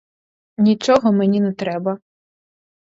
Нічого мені не треба.